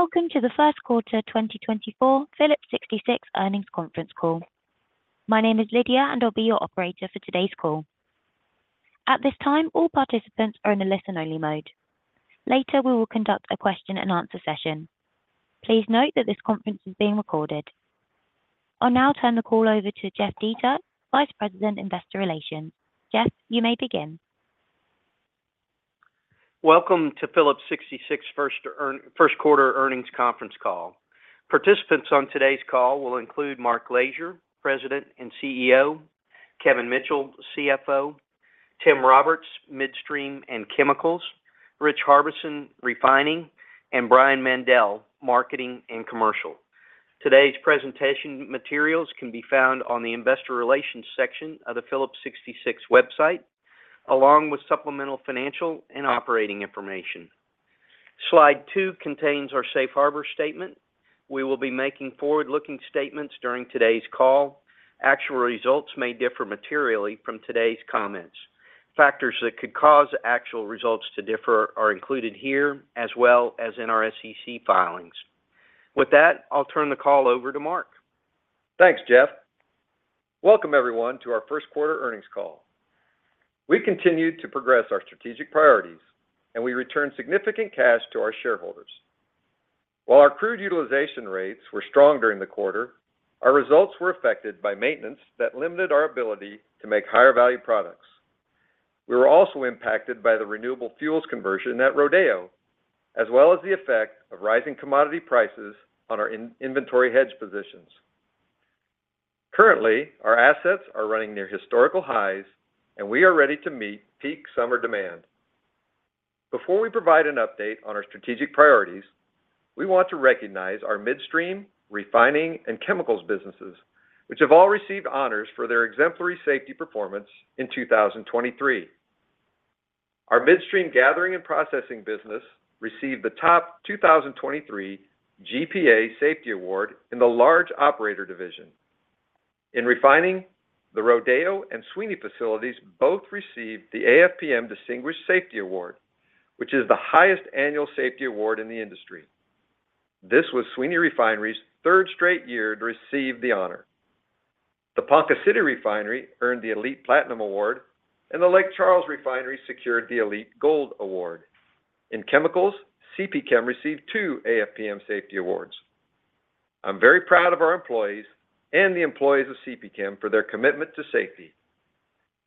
Welcome to the first quarter 2024 Phillips 66 earnings conference call. My name is Lydia, and I'll be your operator for today's call. At this time, all participants are in a listen-only mode. Later, we will conduct a question-and-answer session. Please note that this conference is being recorded. I'll now turn the call over to Jeff Dietert, Vice President, Investor Relations. Jeff, you may begin. Welcome to Phillips 66 first quarter earnings conference call. Participants on today's call will include Mark Lashier, President and CEO, Kevin Mitchell, CFO, Tim Roberts, Midstream and Chemicals, Rich Harbison, Refining, and Brian Mandell, Marketing and Commercial. Today's presentation materials can be found on the Investor Relations section of the Phillips 66 website, along with supplemental financial and operating information. Slide two contains our safe harbor statement. We will be making forward-looking statements during today's call. Actual results may differ materially from today's comments. Factors that could cause actual results to differ are included here, as well as in our SEC filings. With that, I'll turn the call over to Mark. Thanks, Jeff. Welcome, everyone, to our first quarter earnings call. We continued to progress our strategic priorities, and we returned significant cash to our shareholders. While our crude utilization rates were strong during the quarter, our results were affected by maintenance that limited our ability to make higher-value products. We were also impacted by the renewable fuels conversion at Rodeo, as well as the effect of rising commodity prices on our in-inventory hedge positions. Currently, our assets are running near historical highs, and we are ready to meet peak summer demand. Before we provide an update on our strategic priorities, we want to recognize our midstream, refining, and chemicals businesses, which have all received honors for their exemplary safety performance in 2023. Our midstream gathering and processing business received the top 2023 GPA Safety Award in the Large Operator Division. In refining, the Rodeo and Sweeny facilities both received the AFPM Distinguished Safety Award, which is the highest annual safety award in the industry. This was Sweeny Refinery's third straight year to receive the honor. The Ponca City Refinery earned the Elite Platinum Award, and the Lake Charles Refinery secured the Elite Gold Award. In chemicals, CPChem received two AFPM Safety Awards. I'm very proud of our employees and the employees of CPChem for their commitment to safety.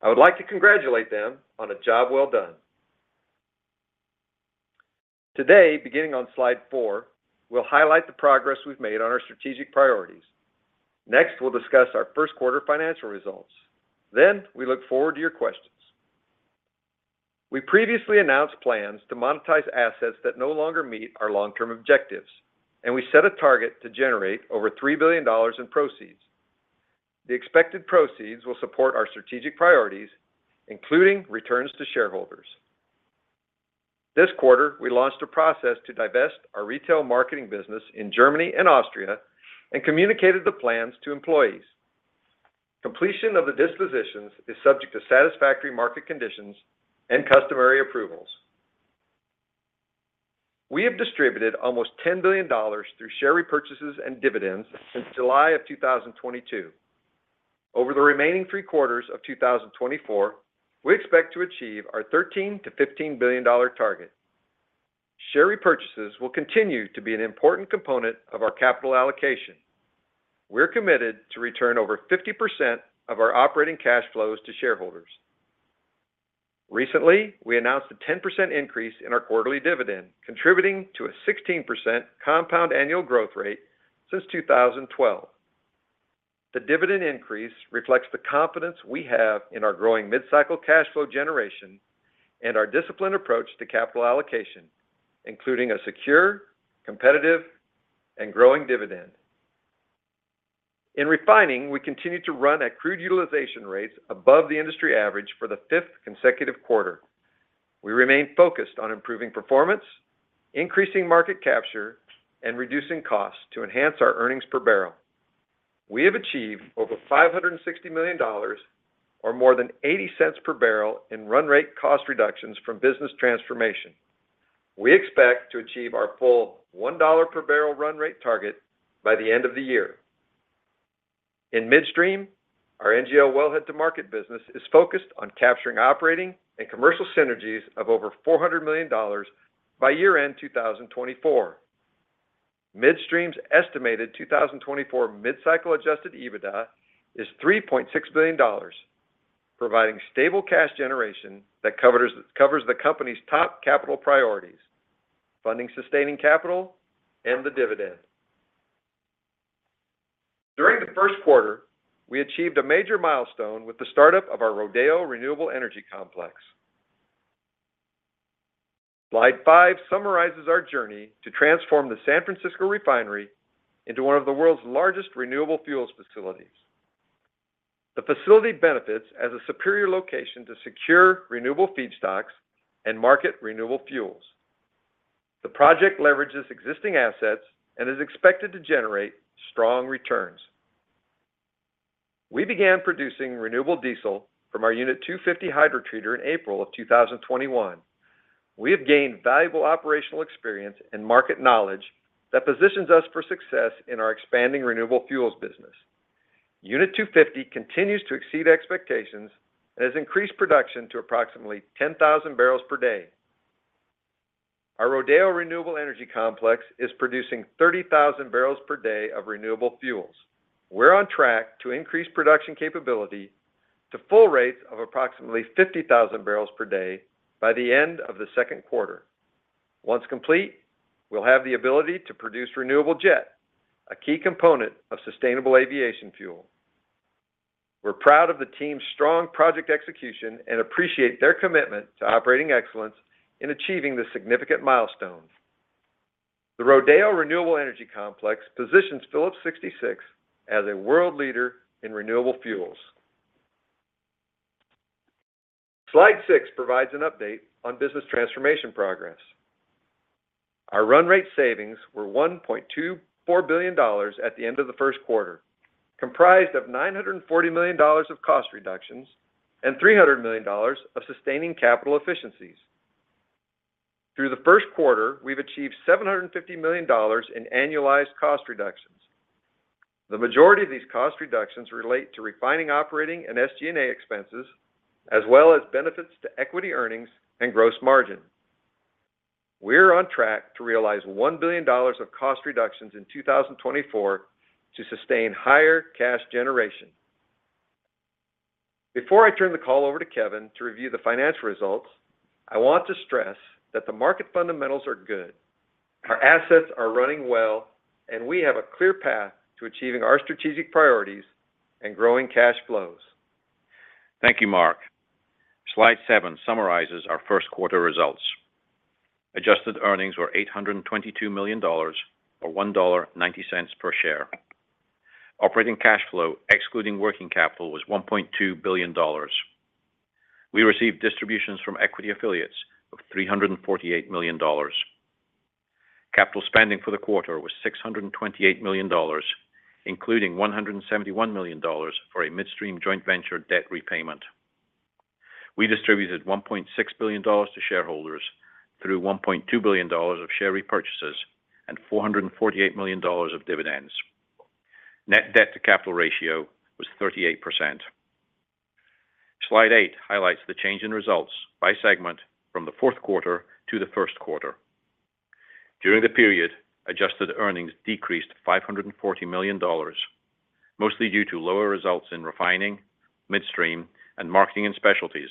I would like to congratulate them on a job well done. Today, beginning on slide 4, we'll highlight the progress we've made on our strategic priorities. Next, we'll discuss our first quarter financial results. Then, we look forward to your questions. We previously announced plans to monetize assets that no longer meet our long-term objectives, and we set a target to generate over $3 billion in proceeds. The expected proceeds will support our strategic priorities, including returns to shareholders. This quarter, we launched a process to divest our retail marketing business in Germany and Austria and communicated the plans to employees. Completion of the dispositions is subject to satisfactory market conditions and customary approvals. We have distributed almost $10 billion through share repurchases and dividends since July of 2022. Over the remaining three quarters of 2024, we expect to achieve our $13-$15 billion target. Share repurchases will continue to be an important component of our capital allocation. We're committed to return over 50% of our operating cash flows to shareholders. Recently, we announced a 10% increase in our quarterly dividend, contributing to a 16% compound annual growth rate since 2012. The dividend increase reflects the confidence we have in our growing mid-cycle cash flow generation and our disciplined approach to capital allocation, including a secure, competitive, and growing dividend. In refining, we continue to run at crude utilization rates above the industry average for the fifth consecutive quarter. We remain focused on improving performance, increasing market capture, and reducing costs to enhance our earnings per barrel. We have achieved over $560 million or more than $0.80 per barrel in run rate cost reductions from business transformation. We expect to achieve our full $1 per barrel run rate target by the end of the year. In midstream, our NGL Wellhead to Market business is focused on capturing, operating, and commercial synergies of over $400 million by year-end 2024. Midstream's estimated 2024 mid-cycle Adjusted EBITDA is $3.6 billion, providing stable cash generation that covers the company's top capital priorities: funding, sustaining capital, and the dividend. During the first quarter, we achieved a major milestone with the startup of our Rodeo Renewable Energy Complex. Slide five summarizes our journey to transform the San Francisco Refinery into one of the world's largest renewable fuels facilities. The facility benefits as a superior location to secure renewable feedstocks and market renewable fuels. The project leverages existing assets and is expected to generate strong returns. We began producing renewable diesel from our Unit 250 hydrotreater in April 2021. We have gained valuable operational experience and market knowledge that positions us for success in our expanding renewable fuels business. Unit 250 continues to exceed expectations and has increased production to approximately 10,000 barrels per day. Our Rodeo Renewable Energy Complex is producing 30,000 barrels per day of renewable fuels. We're on track to increase production capability to full rates of approximately 50,000 barrels per day by the end of the second quarter. Once complete, we'll have the ability to produce renewable jet, a key component of sustainable aviation fuel. We're proud of the team's strong project execution and appreciate their commitment to operating excellence in achieving this significant milestone. The Rodeo Renewable Energy Complex positions Phillips 66 as a world leader in renewable fuels. Slide six provides an update on business transformation progress. Our run rate savings were $1.24 billion at the end of the first quarter, comprised of $940 million of cost reductions and $300 million of sustaining capital efficiencies. Through the first quarter, we've achieved $750 million in annualized cost reductions. The majority of these cost reductions relate to refining, operating, and SG&A expenses, as well as benefits to equity earnings and gross margin. We're on track to realize $1 billion of cost reductions in 2024 to sustain higher cash generation. Before I turn the call over to Kevin to review the financial results, I want to stress that the market fundamentals are good, our assets are running well, and we have a clear path to achieving our strategic priorities and growing cash flows. Thank you, Mark. Slide seven summarizes our first quarter results. Adjusted earnings were $822 million, or $1.90 per share. Operating cash flow, excluding working capital, was $1.2 billion. We received distributions from equity affiliates of $348 million. Capital spending for the quarter was $628 million, including $171 million for a midstream joint venture debt repayment. We distributed $1.6 billion to shareholders through $1.2 billion of share repurchases and $448 million of dividends. Net debt to capital ratio was 38%. Slide eight highlights the change in results by segment from the fourth quarter to the first quarter. During the period, adjusted earnings decreased $540 million, mostly due to lower results in refining, midstream, and marketing and specialties,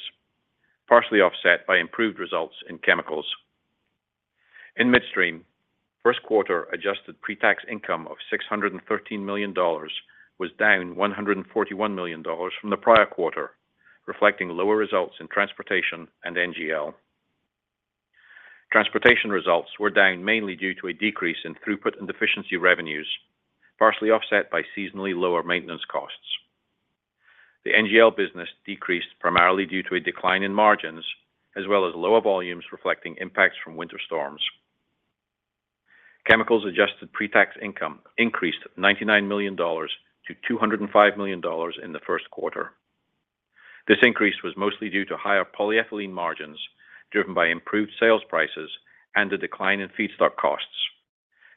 partially offset by improved results in chemicals. In midstream, first quarter adjusted pre-tax income of $613 million was down $141 million from the prior quarter, reflecting lower results in transportation and NGL. Transportation results were down mainly due to a decrease in throughput and efficiency revenues, partially offset by seasonally lower maintenance costs. The NGL business decreased primarily due to a decline in margins, as well as lower volumes, reflecting impacts from winter storms. Chemicals adjusted pre-tax income increased $99 million to $205 million in the first quarter. This increase was mostly due to higher polyethylene margins, driven by improved sales prices and a decline in feedstock costs,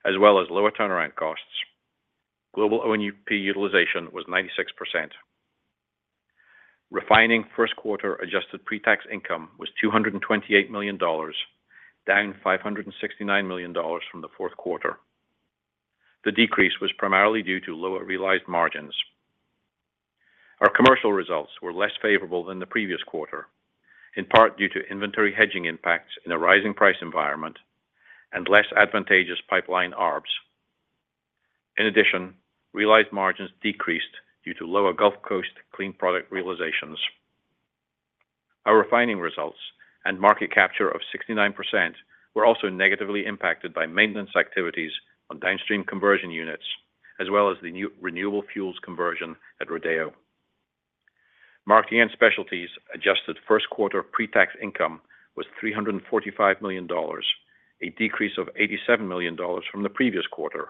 as well as lower turnaround costs. Global O&P utilization was 96%. Refining first quarter adjusted pre-tax income was $228 million, down $569 million from the fourth quarter. The decrease was primarily due to lower realized margins. Our commercial results were less favorable than the previous quarter, in part due to inventory hedging impacts in a rising price environment and less advantageous pipeline ARBs. In addition, realized margins decreased due to lower Gulf Coast clean product realizations. Our refining results and market capture of 69% were also negatively impacted by maintenance activities on downstream conversion units, as well as the new renewable fuels conversion at Rodeo. Marketing and specialties adjusted first quarter pre-tax income was $345 million, a decrease of $87 million from the previous quarter.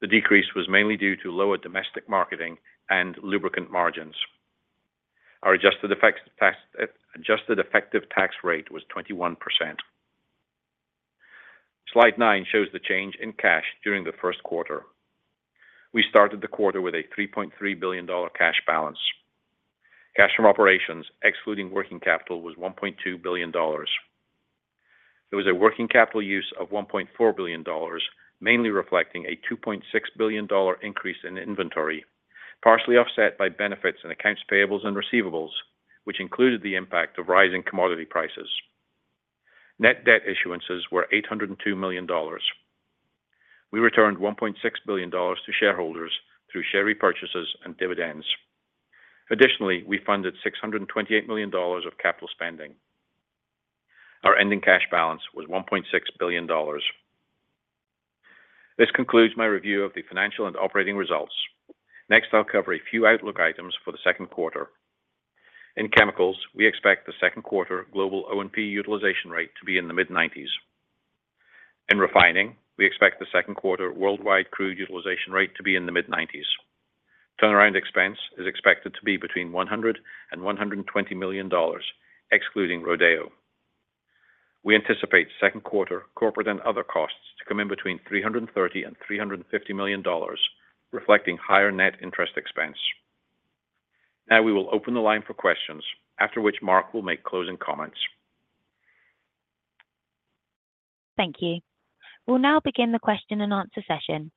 The decrease was mainly due to lower domestic marketing and lubricant margins. Our adjusted effective tax rate was 21%. Slide nine shows the change in cash during the first quarter. We started the quarter with a $3.3 billion cash balance. Cash from operations, excluding working capital, was $1.2 billion. There was a working capital use of $1.4 billion, mainly reflecting a $2.6 billion increase in inventory, partially offset by benefits in accounts payables and receivables, which included the impact of rising commodity prices. Net debt issuances were $802 million. We returned $1.6 billion to shareholders through share repurchases and dividends. Additionally, we funded $628 million of capital spending. Our ending cash balance was $1.6 billion. This concludes my review of the financial and operating results. Next, I'll cover a few outlook items for the second quarter. In chemicals, we expect the second quarter global O&P utilization rate to be in the mid-90s. In refining, we expect the second quarter worldwide crude utilization rate to be in the mid-90s. Turnaround expense is expected to be between $100 million and $120 million, excluding Rodeo. We anticipate second quarter corporate and other costs to come in between $330 million and $350 million, reflecting higher net interest expense. Now we will open the line for questions, after which Mark will make closing comments. Thank you. We'll now begin the question and answer session.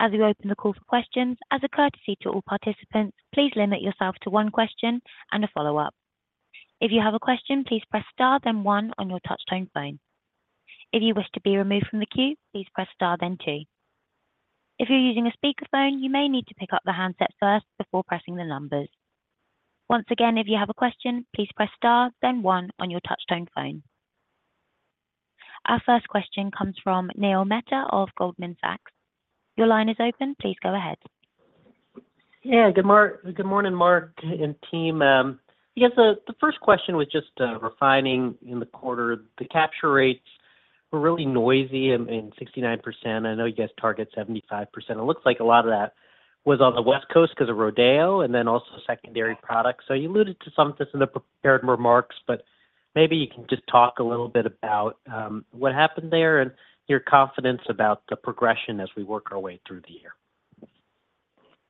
As we open the call for questions, as a courtesy to all participants, please limit yourself to one question and a follow-up. If you have a question, please press star, then one on your touchtone phone. If you wish to be removed from the queue, please press star, then two. If you're using a speakerphone, you may need to pick up the handset first before pressing the numbers. Once again, if you have a question, please press star, then one on your touchtone phone. Our first question comes from Neil Mehta of Goldman Sachs. Your line is open. Please go ahead. Yeah. Good morning, Mark and team. Yes, the, the first question was just refining in the quarter. The capture rates were really noisy and, and 69%. I know you guys target 75%. It looks like a lot of that was on the West Coast because of Rodeo and then also secondary products. So you alluded to some of this in the prepared remarks, but maybe you can just talk a little bit about what happened there and your confidence about the progression as we work our way through the year.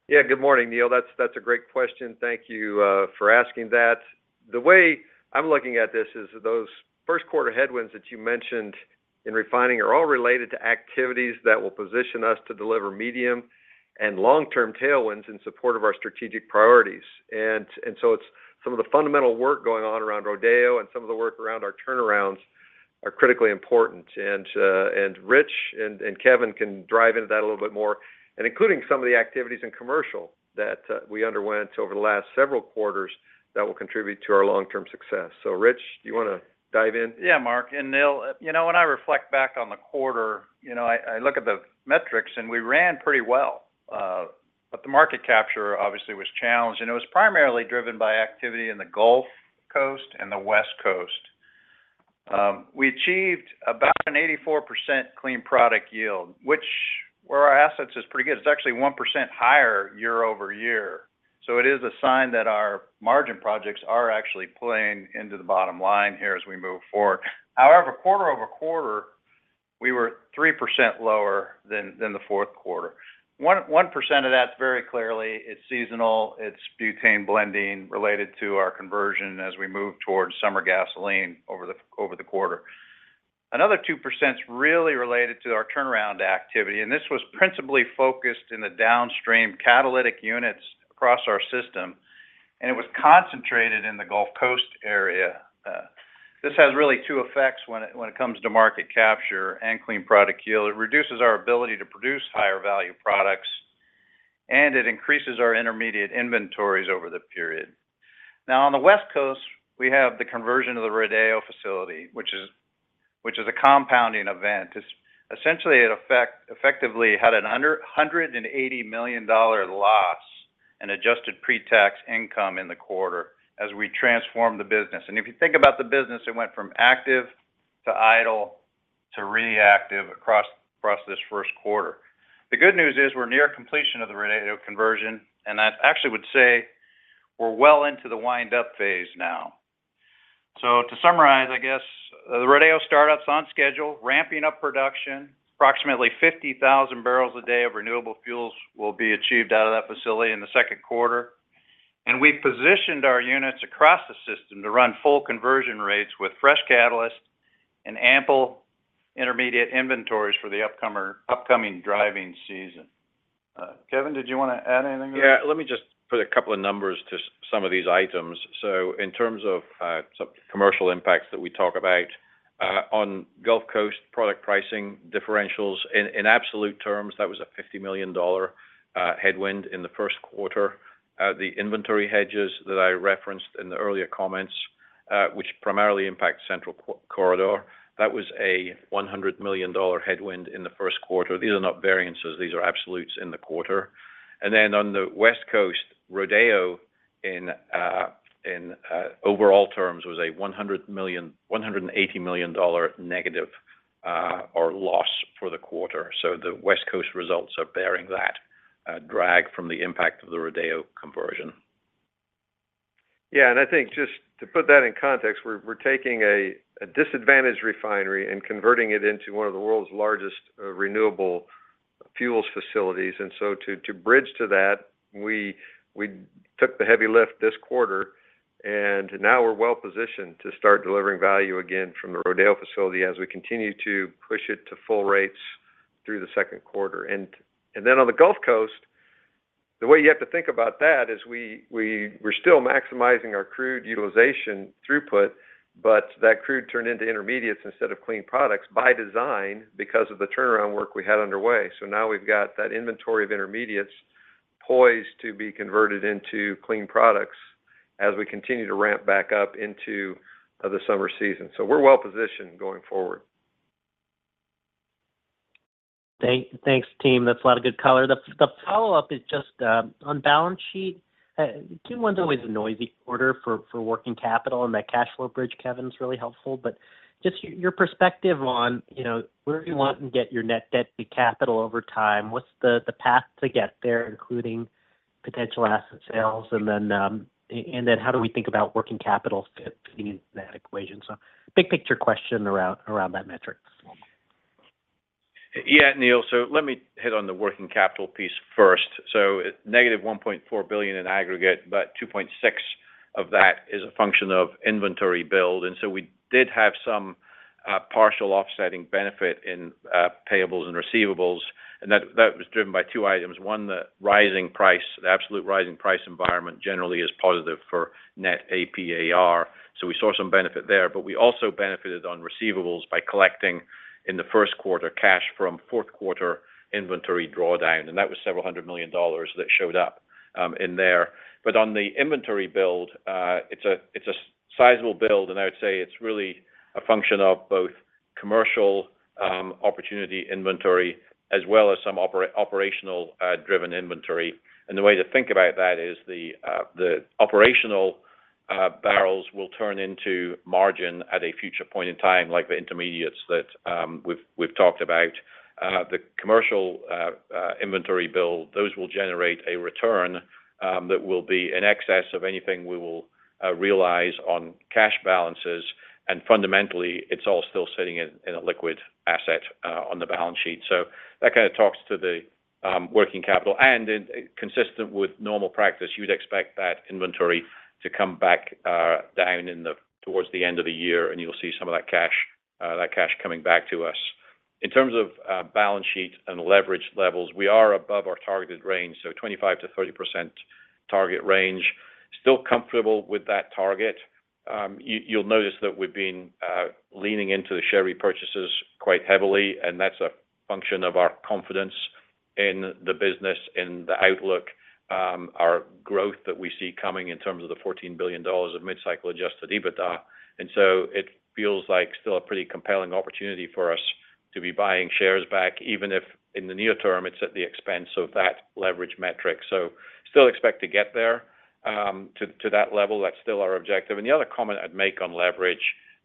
Yeah, good morning, Neil. That's a great question. Thank you for asking that. The way I'm looking at this is those first quarter headwinds that you mentioned in refining are all related to activities that will position us to deliver medium and long-term tailwinds in support of our strategic priorities. And so it's some of the fundamental work going on around Rodeo and some of the work around our turnarounds are critically important. And Rich and Kevin can drive into that a little bit more, and including some of the activities in commercial that we underwent over the last several quarters that will contribute to our long-term success. So, Rich, do you want to dive in? Yeah, Mark and Neil, you know, when I reflect back on the quarter, you know, I, I look at the metrics, and we ran pretty well. But the market capture obviously was challenged, and it was primarily driven by activity in the Gulf Coast and the West Coast. We achieved about an 84% clean product yield, which where our assets is pretty good. It's actually 1% higher year-over-year. So it is a sign that our margin projects are actually playing into the bottom line here as we move forward. However, quarter-over-quarter, we were 3% lower than, than the fourth quarter. One, one percent of that's very clearly, it's seasonal, it's butane blending related to our conversion as we move towards summer gasoline over the, over the quarter. Another 2% is really related to our turnaround activity, and this was principally focused in the downstream catalytic units across our system, and it was concentrated in the Gulf Coast area. This has really two effects when it comes to market capture and clean product yield. It reduces our ability to produce higher value products, and it increases our intermediate inventories over the period. Now, on the West Coast, we have the conversion of the Rodeo facility, which is a compounding event. It's essentially effectively had a $180 million loss in adjusted pre-tax income in the quarter as we transformed the business. And if you think about the business, it went from active to idle to reactive across this first quarter. The good news is we're near completion of the Rodeo conversion, and I actually would say we're well into the wind-up phase now. So to summarize, I guess, the Rodeo startup's on schedule, ramping up production. Approximately 50,000 barrels a day of renewable fuels will be achieved out of that facility in the second quarter. And we positioned our units across the system to run full conversion rates with fresh catalysts and ample intermediate inventories for the upcoming driving season. Kevin, did you want to add anything? Yeah, let me just put a couple of numbers to some of these items. So in terms of some commercial impacts that we talk about on Gulf Coast, product pricing differentials in absolute terms, that was a $50 million headwind in the first quarter. The inventory hedges that I referenced in the earlier comments, which primarily impact Central Corridor, that was a $100 million headwind in the first quarter. These are not variances, these are absolutes in the quarter. And then on the West Coast, Rodeo in overall terms was a $180 million negative or loss for the quarter. So the West Coast results are bearing that drag from the impact of the Rodeo conversion. Yeah, and I think just to put that in context, we're taking a disadvantaged refinery and converting it into one of the world's largest renewable fuels facilities. And so to bridge to that, we took the heavy lift this quarter, and now we're well-positioned to start delivering value again from the Rodeo facility as we continue to push it to full rates through the second quarter. And then on the Gulf Coast, the way you have to think about that is we're still maximizing our crude utilization throughput, but that crude turned into intermediates instead of clean products by design because of the turnaround work we had underway. So now we've got that inventory of intermediates poised to be converted into clean products as we continue to ramp back up into the summer season. So we're well positioned going forward. Thanks, team. That's a lot of good color. The follow-up is just on balance sheet. Q1 is always a noisy quarter for working capital, and that cash flow bridge, Kevin, is really helpful. But just your perspective on, you know, where you want to get your net debt to capital over time, what's the path to get there, including potential asset sales? And then how do we think about working capital fit in that equation? So big picture question around that metric. Yeah, Neil. So let me hit on the working capital piece first. So negative $1.4 billion in aggregate, but $2.6 billion of that is a function of inventory build. And so we did have some partial offsetting benefit in payables and receivables, and that, that was driven by two items. One, the rising price—the absolute rising price environment generally is positive for net APAR, so we saw some benefit there. But we also benefited on receivables by collecting, in the first quarter, cash from fourth quarter inventory drawdown, and that was several hundred million dollars that showed up in there. But on the inventory build, it's a sizable build, and I would say it's really a function of both commercial opportunity inventory as well as some operational driven inventory. The way to think about that is the operational barrels will turn into margin at a future point in time, like the intermediates that we've talked about. The commercial inventory build, those will generate a return that will be in excess of anything we will realize on cash balances, and fundamentally, it's all still sitting in a liquid asset on the balance sheet. So that kind of talks to the working capital. Consistent with normal practice, you'd expect that inventory to come back down towards the end of the year, and you'll see some of that cash coming back to us. In terms of balance sheet and leverage levels, we are above our targeted range, so 25%-30% target range. Still comfortable with that target. You'll notice that we've been leaning into the share repurchases quite heavily, and that's a function of our confidence in the business, in the outlook, our growth that we see coming in terms of the $14 billion of mid-cycle Adjusted EBITDA. So it feels like still a pretty compelling opportunity for us to be buying shares back, even if in the near term, it's at the expense of that leverage metric. Still expect to get there to that level, that's still our objective. The other comment I'd make on leverage,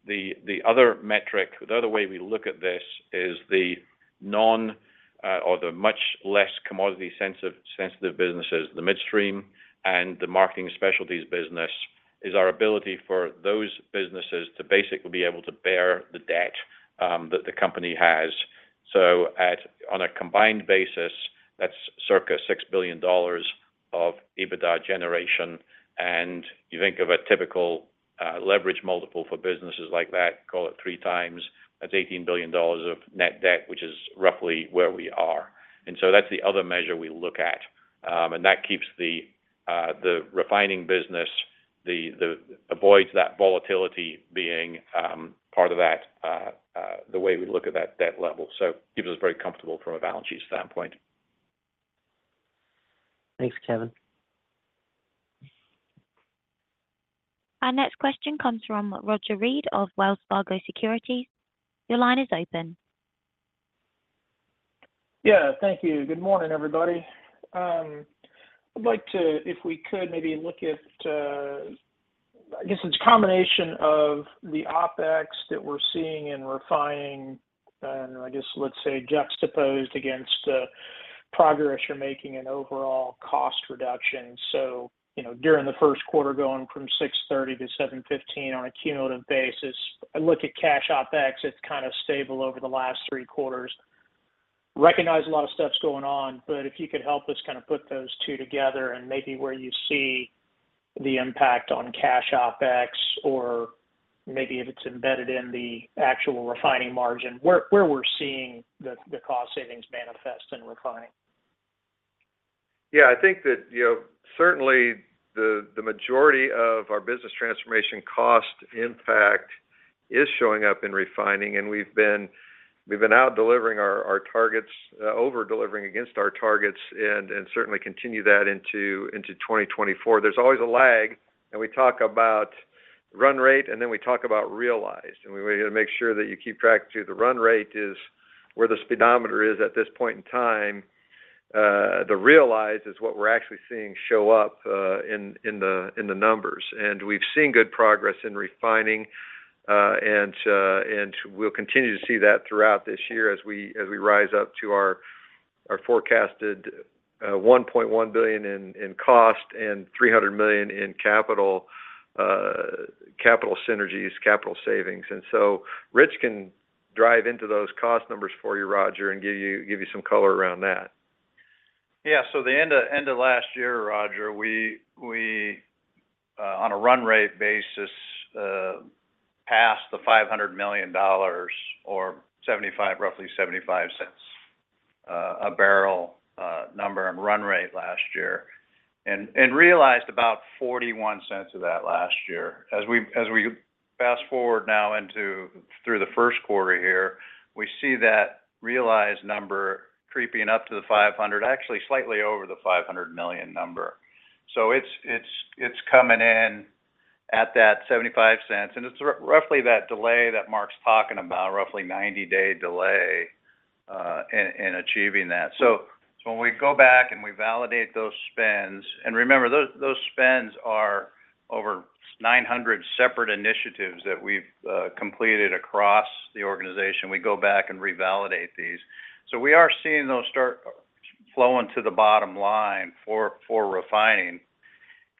the other metric, the other way we look at this is the non- or the much less commodity-sensitive businesses, the midstream and the marketing specialties business, is our ability for those businesses to basically be able to bear the debt that the company has. So on a combined basis, that's circa $6 billion of EBITDA generation, and you think of a typical leverage multiple for businesses like that, call it 3x, that's $18 billion of net debt which is roughly where we are. And so that's the other measure we look at. And that keeps the refining business avoids that volatility being part of that the way we look at that debt level. So keeps us very comfortable from a balance sheet standpoint. Thanks, Kevin. Our next question comes from Roger Read of Wells Fargo Securities. Your line is open. Yeah, thank you. Good morning, everybody. I'd like to, if we could maybe look at, I guess it's a combination of the OpEx that we're seeing in refining, I guess let's say juxtaposed against the progress you're making in overall cost reduction. So, you know, during the first quarter, going from $6.30-$7.15 on a cumulative basis, I look at cash OpEx, it's kind of stable over the last three quarters. Recognize a lot of stuff's going on, but if you could help us kind of put those two together and maybe where you see the impact on cash OpEx, or maybe if it's embedded in the actual refining margin, where, where we're seeing the, the cost savings manifest in refining. Yeah, I think that, you know, certainly the majority of our business transformation cost impact is showing up in refining, and we've been out delivering our targets, over-delivering against our targets and certainly continue that into 2024. There's always a lag, and we talk about run rate, and then we talk about realized, and we wanna make sure that you keep track through. The run rate is where the speedometer is at this point in time. The realized is what we're actually seeing show up in the numbers. And we've seen good progress in refining, and so we'll continue to see that throughout this year as we rise up to our forecasted $1.1 billion in cost and $300 million in capital synergies, capital savings. And so Rich can dive into those cost numbers for you, Roger, and give you, give you some color around that. Yeah. So the end of last year, Roger, we on a run rate basis passed the $500 million or 75 – roughly 75 cents a barrel number and run rate last year, and realized about 41 cents of that last year. As we fast-forward now into through the first quarter here, we see that realized number creeping up to the $500 million, actually slightly over the $500 million number. So it's coming in at that 75 cents, and it's roughly that delay that Mark's talking about, roughly 90-day delay in achieving that. So when we go back and we validate those spends, and remember, those spends are over 900 separate initiatives that we've completed across the organization. We go back and revalidate these. So we are seeing those start flowing to the bottom line for refining.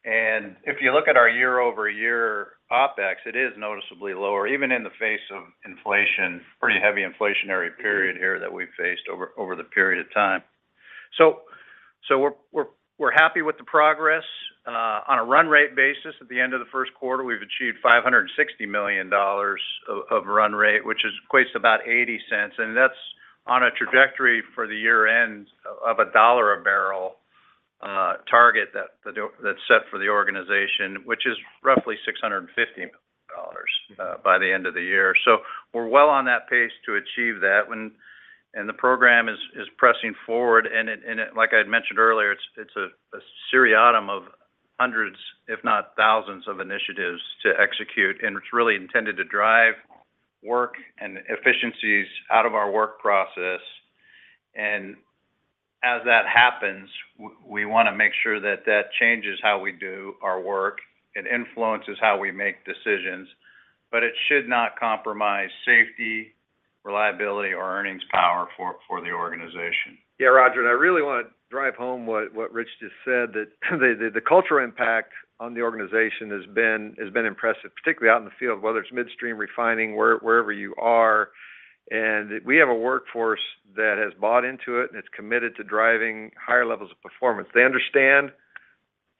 And if you look at our year-over-year OpEx, it is noticeably lower, even in the face of inflation. Pretty heavy inflationary period here that we've faced over the period of time. So we're happy with the progress. On a run rate basis, at the end of the first quarter, we've achieved $560 million of run rate, which equates to about $0.80, and that's on a trajectory for the year-end of $1 a barrel target that's set for the organization, which is roughly $650 million by the end of the year. So we're well on that pace to achieve that, and the program is pressing forward, and it, like I'd mentioned earlier, it's a synecdoche of hundreds, if not thousands, of initiatives to execute, and it's really intended to drive work and efficiencies out of our work process. And as that happens, we wanna make sure that that changes how we do our work and influences how we make decisions. But it should not compromise safety, reliability, or earnings power for the organization. Yeah, Roger, and I really wanna drive home what Rich just said, that the cultural impact on the organization has been impressive, particularly out in the field, whether it's midstream refining, wherever you are. And we have a workforce that has bought into it, and it's committed to driving higher levels of performance. They understand,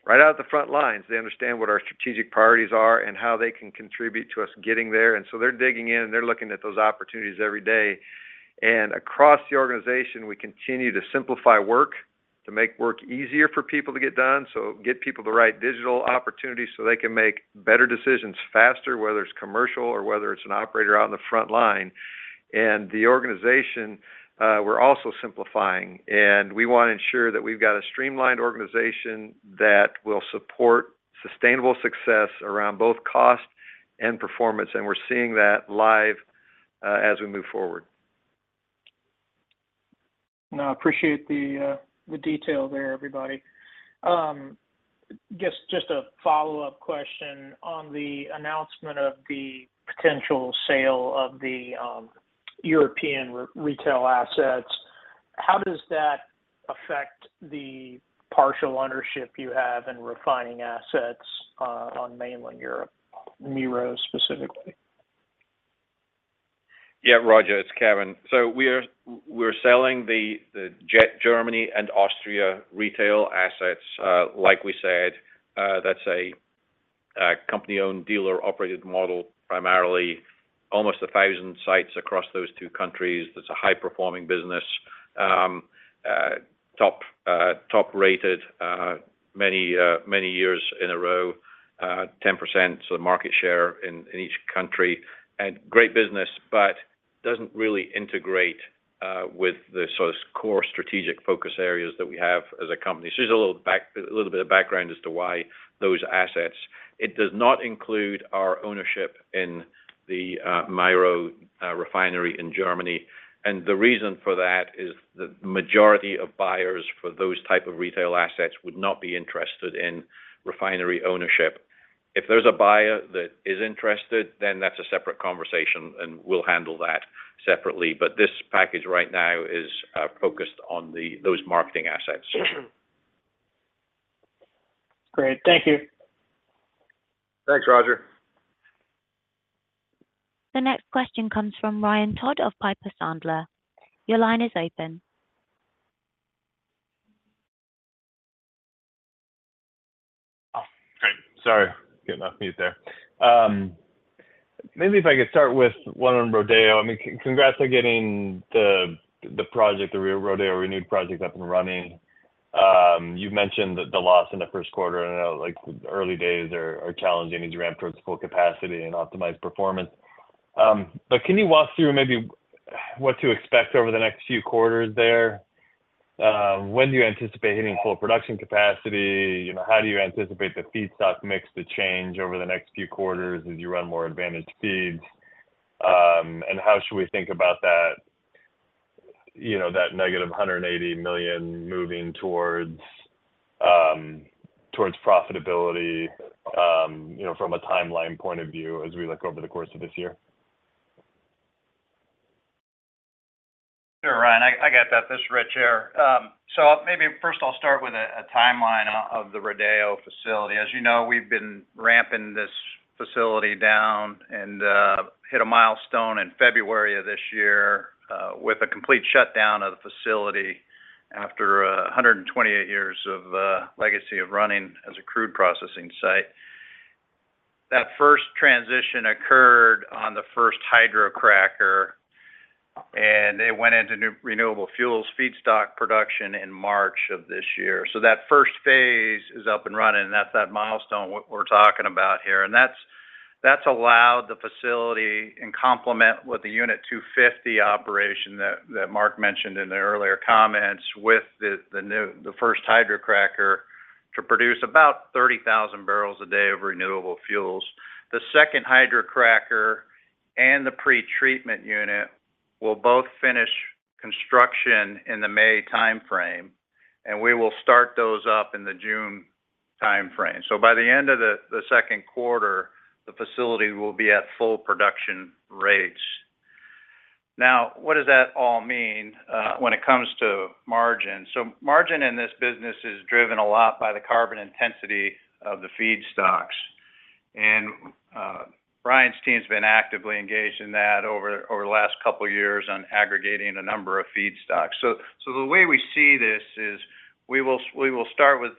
right out of the front lines, they understand what our strategic priorities are and how they can contribute to us getting there. And so they're digging in, and they're looking at those opportunities every day. And across the organization, we continue to simplify work, to make work easier for people to get done. So get people the right digital opportunities so they can make better decisions faster, whether it's commercial or whether it's an operator out on the front line. And the organization, we're also simplifying, and we wanna ensure that we've got a streamlined organization that will support sustainable success around both cost and performance, and we're seeing that live, as we move forward. Now, I appreciate the detail there, everybody. Just a follow-up question on the announcement of the potential sale of the European retail assets. How does that affect the partial ownership you have in refining assets on mainland Europe, MiRO specifically? Yeah, Roger, it's Kevin. So we're selling the JET Germany and Austria retail assets. Like we said, that's a company-owned, dealer-operated model, primarily almost 1,000 sites across those two countries. That's a high-performing business. Top-rated many years in a row, 10% of the market share in each country. And great business, but doesn't really integrate with the sort of core strategic focus areas that we have as a company. So just a little bit of background as to why those assets. It does not include our ownership in the MiRO refinery in Germany. And the reason for that is the majority of buyers for those type of retail assets would not be interested in refinery ownership. If there's a buyer that is interested, then that's a separate conversation, and we'll handle that separately. But this package right now is focused on those marketing assets. Great. Thank you. Thanks, Roger. The next question comes from Ryan Todd of Piper Sandler. Your line is open. Oh, great. Sorry, getting off mute there. Maybe if I could start with one on Rodeo. I mean, congrats on getting the, the project, the Rodeo Renewed project up and running. You've mentioned the, the loss in the first quarter, and I know, like, early days are, are challenging as you ramp towards full capacity and optimized performance. But can you walk through maybe what to expect over the next few quarters there? When do you anticipate hitting full production capacity? You know, how do you anticipate the feedstock mix to change over the next few quarters as you run more advantage feeds? And how should we think about that, you know, that negative $180 million moving towards, towards profitability, you know, from a timeline point of view as we look over the course of this year? Sure, Ryan, I got that. This is Rich here. So maybe first I'll start with a timeline of the Rodeo facility. As you know, we've been ramping this facility down and hit a milestone in February of this year with a complete shutdown of the facility after 128 years of legacy of running as a crude processing site. That first transition occurred on the first hydrocracker, and it went into new renewable fuels feedstock production in March of this year. So that first phase is up and running, and that's that milestone, what we're talking about here, and that's allowed the facility, in complement with the Unit 250 operation that Mark mentioned in the earlier comments, with the first hydrocracker, to produce about 30,000 barrels a day of renewable fuels. The second hydrocracker and the pretreatment unit will both finish construction in the May timeframe, and we will start those up in the June timeframe. So by the end of the second quarter, the facility will be at full production rates. Now, what does that all mean when it comes to margin? So margin in this business is driven a lot by the carbon intensity of the feedstocks. And Brian's team's been actively engaged in that over the last couple of years on aggregating a number of feedstocks. So the way we see this is, we will start with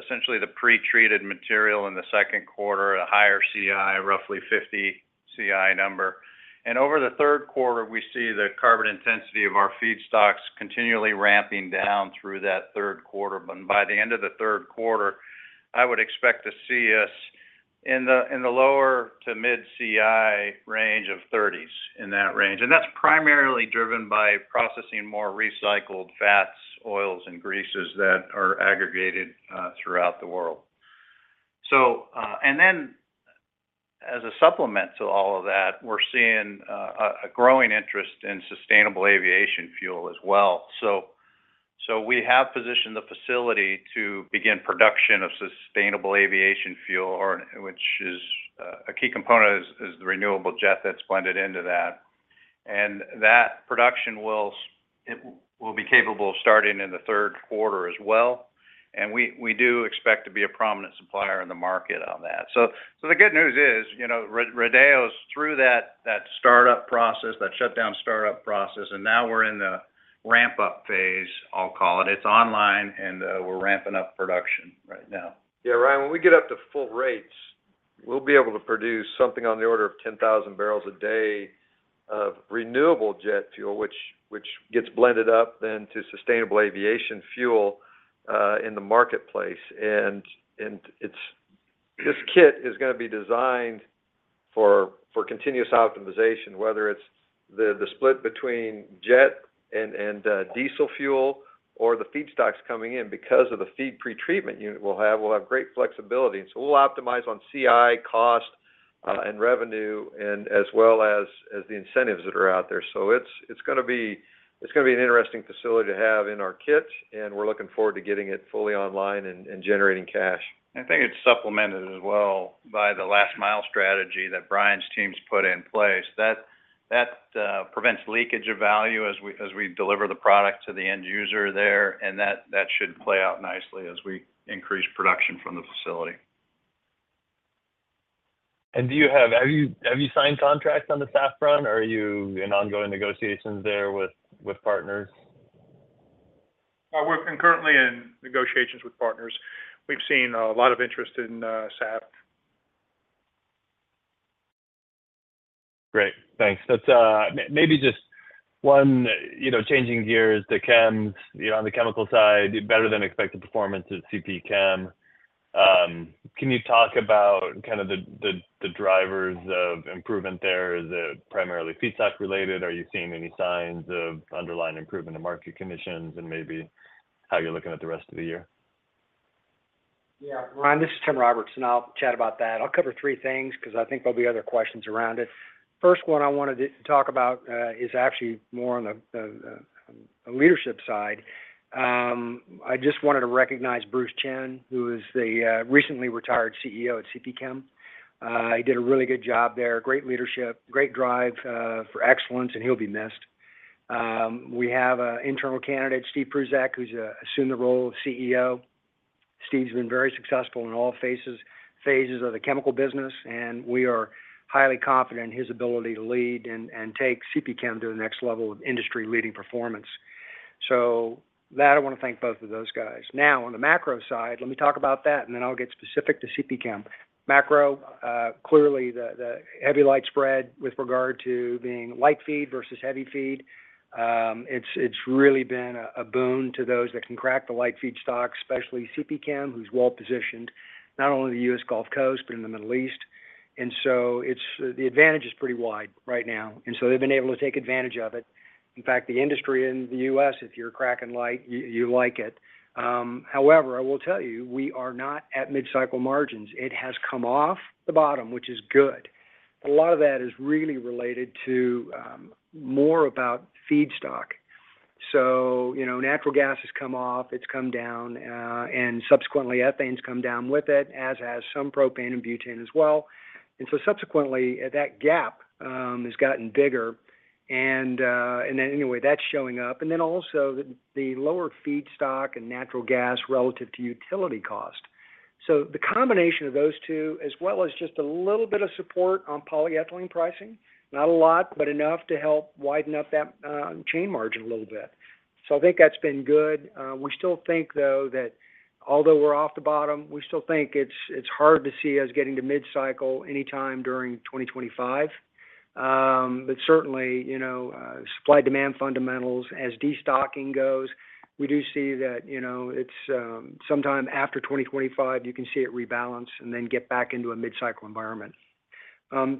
essentially the pretreated material in the second quarter, a higher CI, roughly 50 CI number. And over the third quarter, we see the carbon intensity of our feedstocks continually ramping down through that third quarter. But by the end of the third quarter, I would expect to see us in the lower- to mid-30s CI range, in that range. And that's primarily driven by processing more recycled fats, oils, and greases that are aggregated throughout the world. So, and then, as a supplement to all of that, we're seeing a growing interest in sustainable aviation fuel as well. So, we have positioned the facility to begin production of sustainable aviation fuel, or, which is a key component is the renewable jet that's blended into that. And that production will it will be capable of starting in the third quarter as well, and we do expect to be a prominent supplier in the market on that. So, the good news is, you know, Rodeo's through that startup process, that shutdown startup process, and now we're in the ramp-up phase, I'll call it. It's online, and we're ramping up production right now. Yeah, Ryan, when we get up to full rates, we'll be able to produce something on the order of 10,000 barrels a day of renewable jet fuel, which gets blended up then to sustainable aviation fuel in the marketplace. It's this kit is gonna be designed for continuous optimization, whether it's the split between jet and diesel fuel or the feedstocks coming in. Because of the feed pretreatment unit we'll have, we'll have great flexibility. So we'll optimize on CI, cost, and revenue, as well as the incentives that are out there. So it's gonna be an interesting facility to have in our kit, and we're looking forward to getting it fully online and generating cash. I think it's supplemented as well by the last mile strategy that Brian's team's put in place. That prevents leakage of value as we deliver the product to the end user there, and that should play out nicely as we increase production from the facility. Have you signed contracts on the SAF front, or are you in ongoing negotiations there with partners? We're concurrently in negotiations with partners. We've seen a lot of interest in SAF. Great, thanks. That's maybe just one, you know, changing gears to chems. You know, on the chemical side, better than expected performance at CPChem. Can you talk about kind of the drivers of improvement there? Is it primarily feedstock related? Are you seeing any signs of underlying improvement in market conditions, and maybe how you're looking at the rest of the year? Yeah. Ryan, this is Tim Roberts. I'll chat about that. I'll cover three things because I think there'll be other questions around it. First one I wanted to talk about is actually more on the leadership side. I just wanted to recognize Bruce Chinn, who is the recently retired CEO at CPChem. He did a really good job there, great leadership, great drive for excellence, and he'll be missed. We have an internal candidate, Steve Prusak, who's assumed the role of CEO. Steve's been very successful in all phases of the chemical business, and we are highly confident in his ability to lead and take CPChem to the next level of industry-leading performance. So that, I want to thank both of those guys. Now, on the macro side, let me talk about that, and then I'll get specific to CPChem. Macro, clearly, the heavy light spread with regard to being light feed versus heavy feed, it's really been a boon to those that can crack the light feedstock, especially CPChem, who's well positioned, not only in the US Gulf Coast, but in the Middle East. And so it's the advantage is pretty wide right now, and so they've been able to take advantage of it. In fact, the industry in the U.S., if you're cracking light, you like it. However, I will tell you, we are not at mid-cycle margins. It has come off the bottom, which is good. A lot of that is really related to more about feedstock. So, you know, natural gas has come off, it's come down, and subsequently, ethane's come down with it, as has some propane and butane as well. And so subsequently, that gap has gotten bigger. And, and then anyway, that's showing up. And then also, the lower feedstock and natural gas relative to utility cost. So the combination of those two, as well as just a little bit of support on polyethylene pricing, not a lot, but enough to help widen up that chain margin a little bit. So I think that's been good. We still think, though, that although we're off the bottom, we still think it's hard to see us getting to mid-cycle anytime during 2025.... But certainly, you know, supply-demand fundamentals, as destocking goes, we do see that, you know, it's sometime after 2025, you can see it rebalance and then get back into a mid-cycle environment.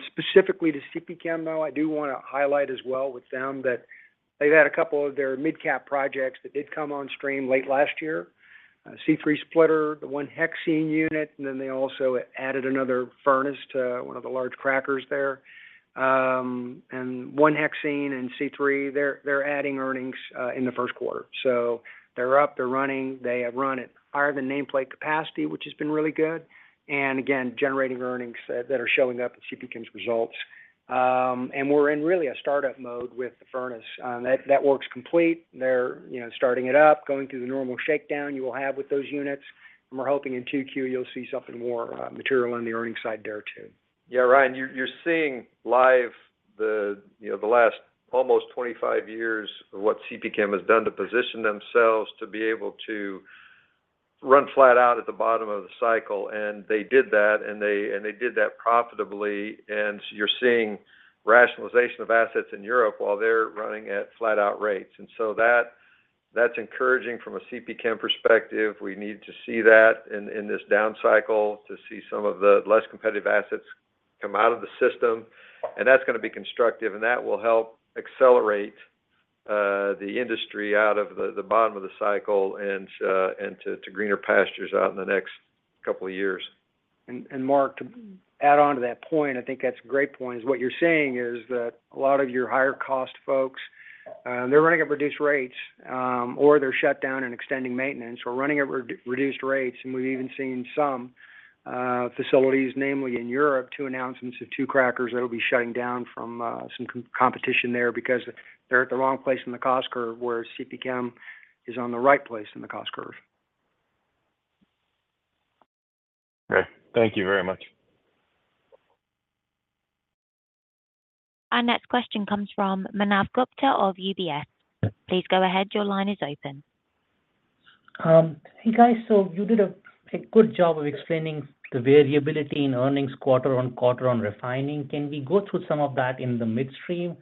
Specifically to CPChem, though, I do want to highlight as well with them that they've had a couple of their mid-cap projects that did come on stream late last year. C3 splitter, the 1-Hexene unit, and then they also added another furnace to one of the large crackers there. And 1-Hexene and C3, they're adding earnings in the first quarter. So they're up, they're running. They have run at higher than nameplate capacity, which has been really good, and again, generating earnings that are showing up in CPChem's results. And we're in really a startup mode with the furnace. That work's complete. They're, you know, starting it up, going through the normal shakedown you will have with those units, and we're hoping in 2Q, you'll see something more, material on the earnings side there, too. Yeah, Ryan, you're seeing live the, you know, the last almost 25 years of what CPChem has done to position themselves to be able to run flat out at the bottom of the cycle, and they did that, and they did that profitably. And so you're seeing rationalization of assets in Europe while they're running at flat-out rates. And so that, that's encouraging from a CPChem perspective. We need to see that in, in this down cycle, to see some of the less competitive assets come out of the system, and that's gonna be constructive, and that will help accelerate the industry out of the, the bottom of the cycle and to greener pastures out in the next couple of years. And Mark, to add on to that point, I think that's a great point, is what you're saying is that a lot of your higher-cost folks, they're running at reduced rates, or they're shut down and extending maintenance or running at reduced rates. And we've even seen some facilities, namely in Europe, two announcements of two crackers that will be shutting down from some competition there because they're at the wrong place in the cost curve, where CPChem is on the right place in the cost curve. Great. Thank you very much. Our next question comes from Manav Gupta of UBS. Please go ahead. Your line is open. Hey, guys. You did a good job of explaining the variability in earnings quarter-over-quarter on refining. Can we go through some of that in the midstream?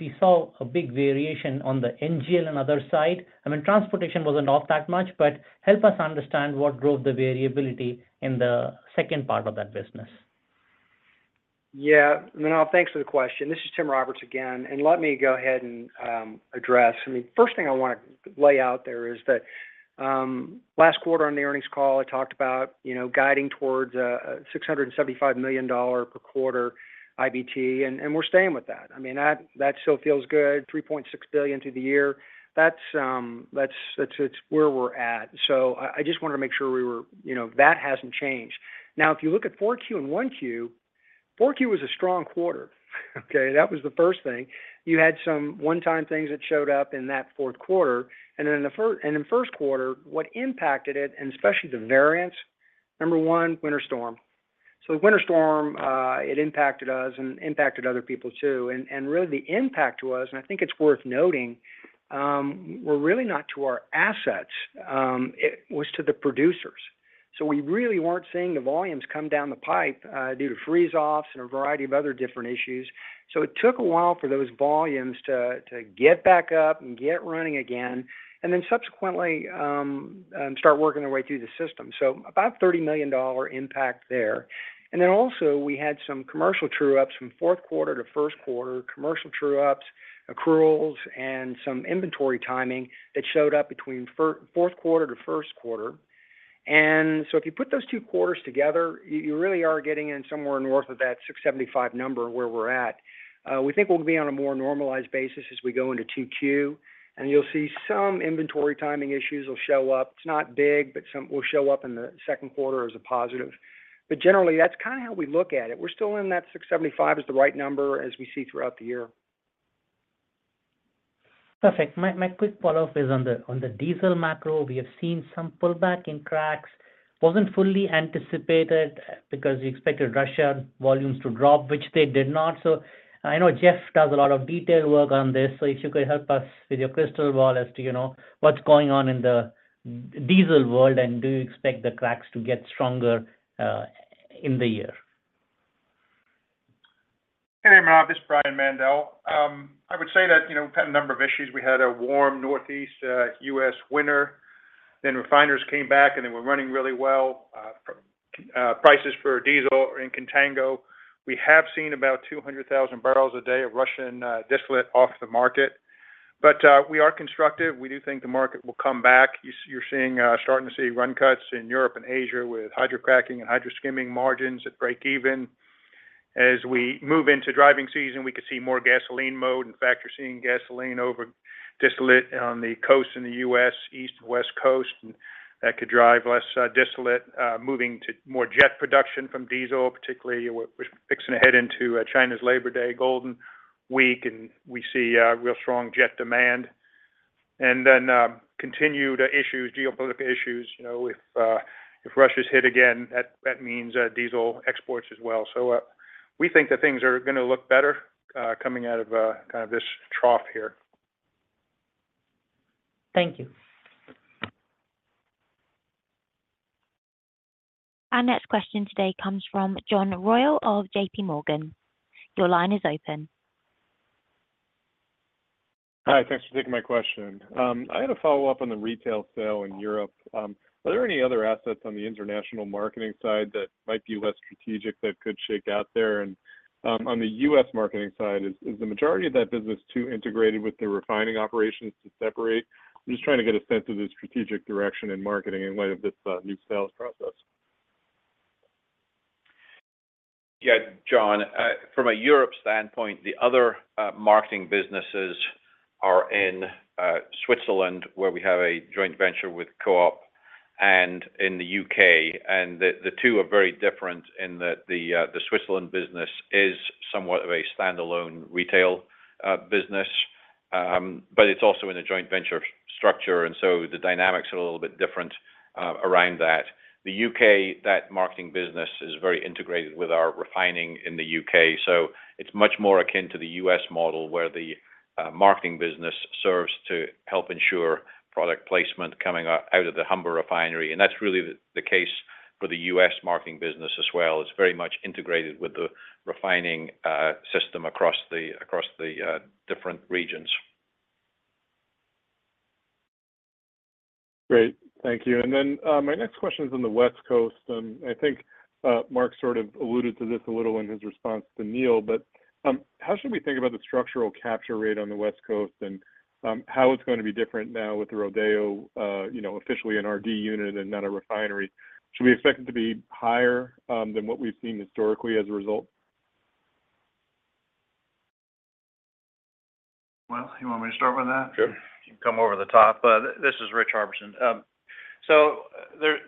We saw a big variation on the NGL and other side. I mean, transportation was not that much, but help us understand what drove the variability in the second part of that business. Yeah. Manav, thanks for the question. This is Tim Roberts again, and let me go ahead and, address. I mean, first thing I want to lay out there is that, last quarter on the earnings call, I talked about, you know, guiding towards a $675 million per quarter IBT, and, and we're staying with that. I mean, that, that still feels good. $3.6 billion through the year. That's, that's, that's where we're at. So I, I just wanted to make sure we were... You know, that hasn't changed. Now, if you look at 4Q and 1Q, 4Q was a strong quarter. Okay? That was the first thing. You had some one-time things that showed up in that fourth quarter, and then in first quarter, what impacted it, and especially the variance, number one, winter storm. So the winter storm, it impacted us and impacted other people, too. And, and really the impact was, and I think it's worth noting, were really not to our assets, it was to the producers. So we really weren't seeing the volumes come down the pipe, due to freeze-offs and a variety of other different issues. So it took a while for those volumes to, to get back up and get running again, and then subsequently, start working their way through the system. So about $30 million impact there. And then also, we had some commercial true-ups from fourth quarter to first quarter, commercial true-ups, accruals, and some inventory timing that showed up between fourth quarter to first quarter. And so if you put those two quarters together, you really are getting in somewhere north of that $675 number where we're at. We think we'll be on a more normalized basis as we go into 2Q, and you'll see some inventory timing issues will show up. It's not big, but some will show up in the second quarter as a positive. But generally, that's kind of how we look at it. We're still in that $675 is the right number, as we see throughout the year. Perfect. My quick follow-up is on the diesel macro. We have seen some pullback in cracks. Wasn't fully anticipated because we expected Russia volumes to drop, which they did not. So I know Jeff does a lot of detail work on this, so if you could help us with your crystal ball as to, you know, what's going on in the diesel world, and do you expect the cracks to get stronger in the year? Hey, Manav, this is Brian Mandell. I would say that, you know, we've had a number of issues. We had a warm Northeast US winter, then refiners came back, and they were running really well. Prices for diesel are in contango. We have seen about 200,000 barrels a day of Russian distillate off the market. But we are constructive. We do think the market will come back. You're seeing starting to see run cuts in Europe and Asia with hydrocracking and hydroskimming margins at break even. As we move into driving season, we could see more gasoline mode. In fact, you're seeing gasoline over distillate on the coast in the US, East and West Coast, and that could drive less distillate moving to more jet production from diesel. Particularly, we're fixing to head into China's Labor Day, Golden Week, and we see real strong jet demand. And then, continued issues, geopolitical issues. You know, if Russia is hit again, that means diesel exports as well. So, we think that things are gonna look better coming out of kind of this trough here. Thank you. Our next question today comes from John Royall of JPMorgan. Your line is open. Hi, thanks for taking my question. I had a follow-up on the retail sale in Europe. Are there any other assets on the international marketing side that might be less strategic that could shake out there? And, on the U.S. marketing side, is the majority of that business too integrated with the refining operations to separate? I'm just trying to get a sense of the strategic direction in marketing in light of this, new sales process. Yeah, John, from a Europe standpoint, the other marketing businesses are in Switzerland, where we have a joint venture with Coop and in the U.K. And the two are very different in that the Switzerland business is somewhat of a standalone retail business. But it's also in a joint venture structure, and so the dynamics are a little bit different around that. The U.K. marketing business is very integrated with our refining in the U.K. So it's much more akin to the U.S. model, where the marketing business serves to help ensure product placement coming out of the Humber Refinery. And that's really the case for the U.S. marketing business as well. It's very much integrated with the refining system across the different regions. Great. Thank you. And then, my next question is on the West Coast, and I think, Mark sort of alluded to this a little in his response to Neil. But, how should we think about the structural capture rate on the West Coast, and, how it's gonna be different now with the Rodeo, you know, officially an RD unit and not a refinery? Should we expect it to be higher, than what we've seen historically as a result? Well, you want me to start with that? Sure. You come over the top. This is Rich Harbison. So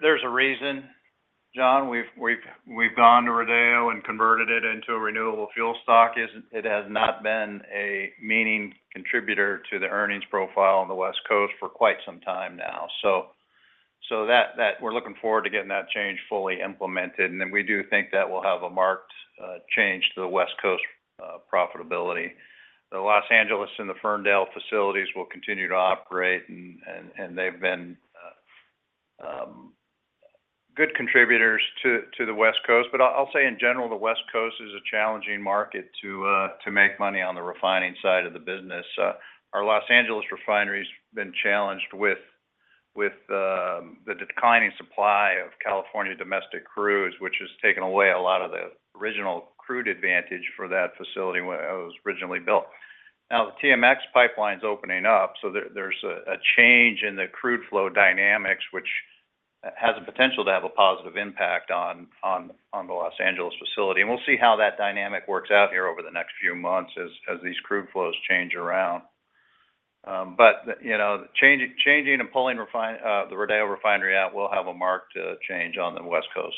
there's a reason, John, we've gone to Rodeo and converted it into a renewable fuel stock. It has not been a meaningful contributor to the earnings profile on the West Coast for quite some time now. So that, that we're looking forward to getting that change fully implemented, and then we do think that will have a marked change to the West Coast profitability. The Los Angeles and the Ferndale facilities will continue to operate, and they've been good contributors to the West Coast. But I'll say in general, the West Coast is a challenging market to make money on the refining side of the business. Our Los Angeles Refinery's been challenged with the declining supply of California domestic crudes, which has taken away a lot of the original crude advantage for that facility when it was originally built. Now, the TMX pipeline is opening up, so there's a change in the crude flow dynamics, which has the potential to have a positive impact on the Los Angeles Refinery. We'll see how that dynamic works out here over the next few months as these crude flows change around. But, you know, changing and pulling the Rodeo refinery out will have a marked change on the West Coast.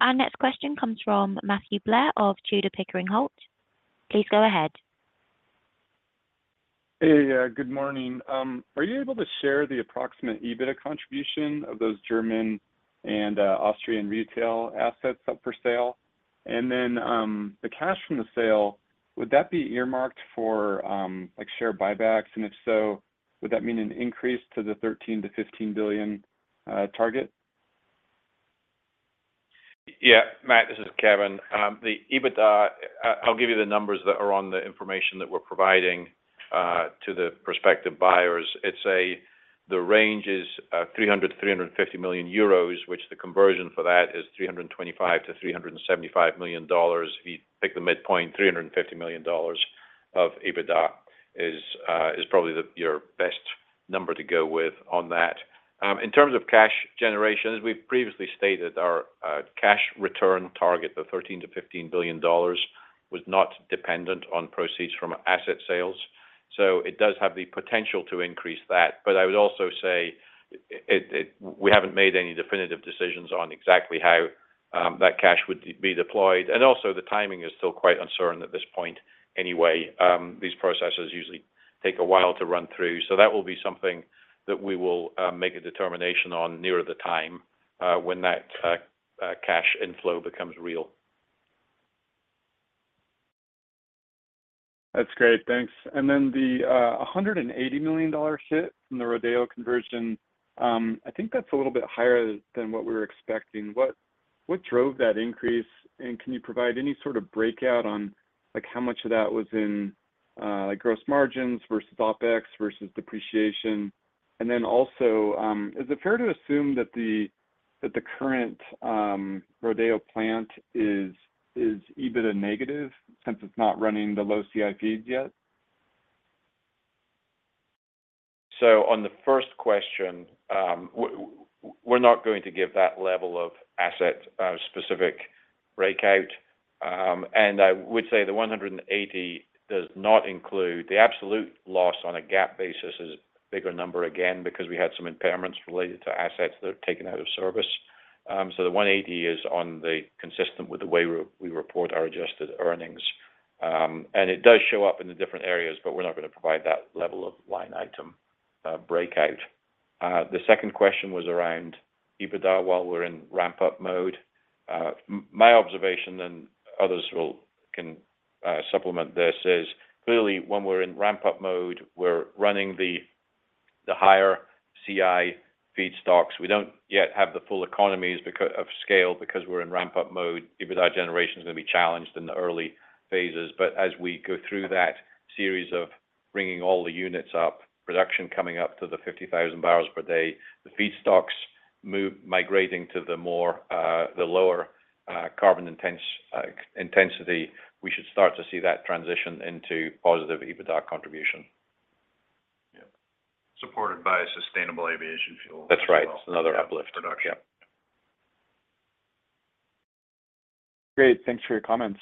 Our next question comes from Matthew Blair of Tudor, Pickering, Holt. Please go ahead. Hey, good morning. Are you able to share the approximate EBITDA contribution of those German and Austrian retail assets up for sale? And then, the cash from the sale, would that be earmarked for, like, share buybacks? And if so, would that mean an increase to the $13 billion-$15 billion target? Yeah, Matt, this is Kevin. The EBITDA, I'll give you the numbers that are on the information that we're providing to the prospective buyers. It's the range is three hundred to three hundred and fifty million euros, which the conversion for that is three hundred and twenty-five to three hundred and seventy-five million dollars. If you take the midpoint, three hundred and fifty million dollars of EBITDA is probably your best number to go with on that. In terms of cash generation, as we've previously stated, our cash return target, the thirteen to fifteen billion dollars, was not dependent on proceeds from asset sales. So it does have the potential to increase that. But I would also say it we haven't made any definitive decisions on exactly how that cash would be deployed. And also, the timing is still quite uncertain at this point anyway. These processes usually take a while to run through. So that will be something that we will make a determination on nearer the time, when that cash inflow becomes real. That's great. Thanks. And then the $180 million hit from the Rodeo conversion, I think that's a little bit higher than what we were expecting. What drove that increase? And can you provide any sort of breakout on, like, how much of that was in, like, gross margins versus OpEx versus depreciation? And then also, is it fair to assume that the current Rodeo plant is EBITDA negative since it's not running the low CI feeds yet? So on the first question, we're not going to give that level of asset specific breakout. And I would say the $180 does not include the absolute loss on a GAAP basis is a bigger number, again, because we had some impairments related to assets that are taken out of service. So the $180 is consistent with the way we report our adjusted earnings. And it does show up in the different areas, but we're not gonna provide that level of line item breakout. The second question was around EBITDA, while we're in ramp-up mode. My observation, and others can supplement this, is clearly when we're in ramp-up mode, we're running the higher CI feedstocks. We don't yet have the full economies of scale, because we're in ramp-up mode. EBITDA generation is gonna be challenged in the early phases. But as we go through that series of bringing all the units up, production coming up to the 50,000 barrels per day, the feedstocks move migrating to the more, the lower, carbon intensity, we should start to see that transition into positive EBITDA contribution. Yep. Supported by Sustainable Aviation Fuel. That's right. Another uplift. Production. Yeah. Great. Thanks for your comments.